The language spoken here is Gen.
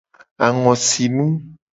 Angosinu.